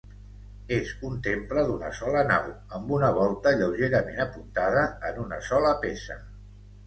És un temple d'una sola nau, amb una volta lleugerament apuntada en una sola peça.